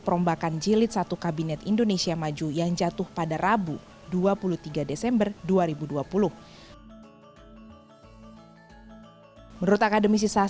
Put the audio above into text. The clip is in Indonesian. perombakan jilid satu kabinet indonesia maju yang jatuh pada rabu dua puluh tiga desember dua ribu dua puluh menurut akademisi